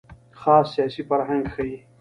خاص سیاسي فرهنګ ښيي.